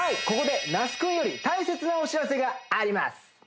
ここで那須君より大切なお知らせがあります